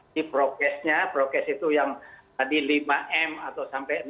di prokesnya prokes itu yang tadi lima m atau sampai enam